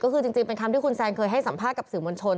ก็คือจริงเป็นคำที่คุณแซนเคยให้สัมภาษณ์กับสื่อมวลชน